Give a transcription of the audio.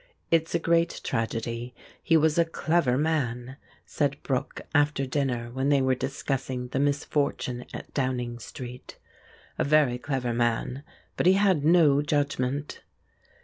"It's a great tragedy he was a clever man," said Brooke after dinner when they were discussing the misfortune at Downing Street; "a very clever man, but he had no judgment."